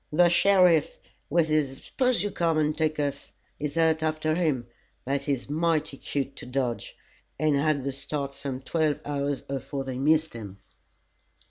The sheriff with his 'spose you come and take us' is out after him, but he's mighty cute to dodge, and had the start some twelve hours afore they missed him."